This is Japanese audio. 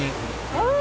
うん！